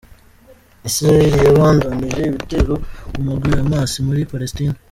Isiraheli yabandanije ibitero ku mugwi Hamas muri Palestine.